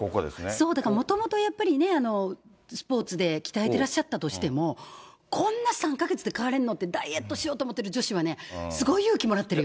そう、だからもともとやっぱりね、スポーツで鍛えてらっしゃったとしても、こんな３か月で変われんのって、ダイエットしようと思ってる女子はね、すごい勇気もらってるよ。